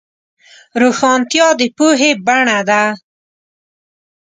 روښانتیا د پوهې بڼه ده.